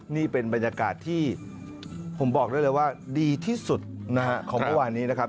นี่เป็นบรรยากาศที่ผมบอกได้เลยว่าดีที่สุดนะฮะของเมื่อวานนี้นะครับ